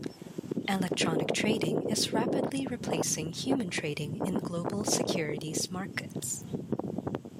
Electronic trading is rapidly replacing human trading in global securities markets.